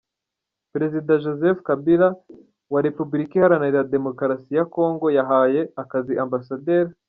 Perezida Joseph Kabila wa Repubukika iharanira Demokarasi ya Congo yahaye akazi Amb.